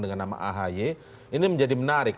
dengan nama ahy ini menjadi menarik